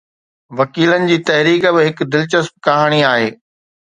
وڪيلن جي تحريڪ به هڪ دلچسپ ڪهاڻي آهي.